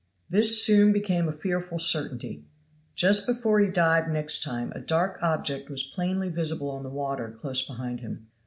This soon became a fearful certainty. Just before he dived next time, a dark object was plainly visible on the water close behind him.